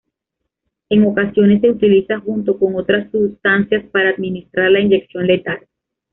En ocasiones, se utiliza junto con otras sustancias para administrar la inyección letal.